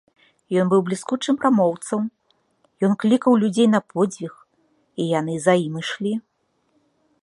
Ён быў бліскучым прамоўцам, ён клікаў людзей на подзвіг, і яны за ім ішлі.